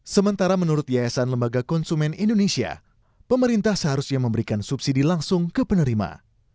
sementara menurut yayasan lembaga konsumen indonesia pemerintah seharusnya memberikan subsidi langsung ke penerima